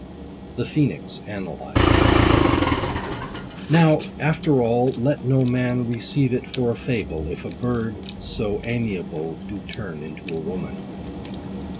THE PHOENIX ANALYSED. Now, after all, let no man Receive it for a fable, If a bird so amiable Do turn into a woman.